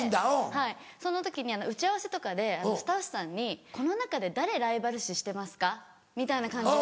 はいその時に打ち合わせとかでスタッフさんに「この中で誰ライバル視してますか」みたいな感じで。